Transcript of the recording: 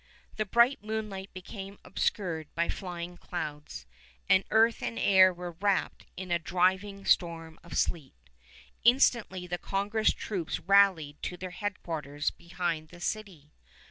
The bright moonlight became obscured by flying clouds, and earth and air were wrapped in a driving storm of sleet. Instantly the Congress troops rallied to their headquarters behind the city.